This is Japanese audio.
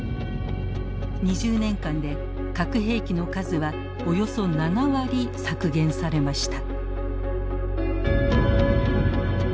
２０年間で核兵器の数はおよそ７割削減されました。